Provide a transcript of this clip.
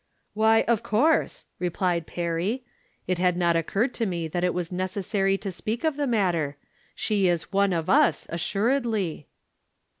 " Why, of course," replied Perry, " It had not occurred to me that it was necessary to speak of the matter. She is one of us, assuredly."